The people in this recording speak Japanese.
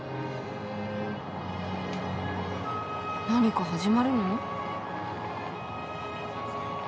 何か始まるの？